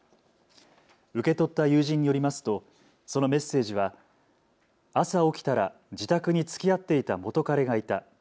受け取った友人によりますとそのメッセージは朝、起きたら自宅につきあっていた元彼がいた。